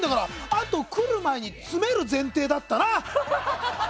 あと、来る前に詰める前提だったな。